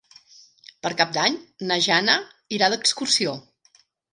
Per Cap d'Any na Jana irà d'excursió.